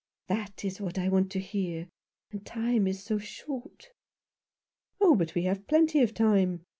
That is what I want to hear. And time is so short" " Oh, but we have plenty of time.